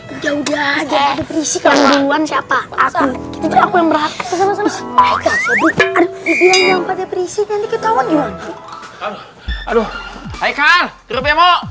udah udah ada perisikang duluan siapa aku aku yang berat sama sama aduh aduh aduh aduh aduh